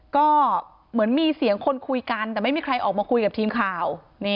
ก็เหมือนมีเสียงคนคุยกันแต่ไม่มีใครออกมาคุยกับทีมข่าว